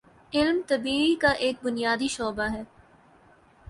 علم طبیعی کا ایک بنیادی شعبہ ہے